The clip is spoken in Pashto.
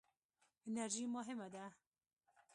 انرژي مهمه ده.